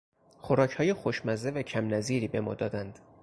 خوراکهای خوشمزه و کم نظیری به ما دادند.